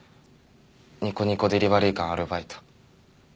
ニコニコデリバリー館アルバイト。